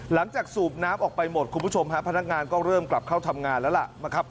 หลังจากสูบน้ำออกไปหมดคุณผู้ชมพนักงานก็เริ่มกลับเข้าทำงานแล้ว